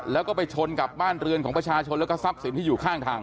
แล้วก็ไปชนกับบ้านเรือนของประชาชนแล้วก็ทรัพย์สินที่อยู่ข้างทาง